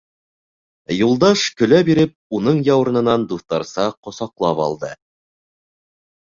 Юлдаш, көлә биреп, уның яурынынан дуҫтарса ҡосаҡлап алды: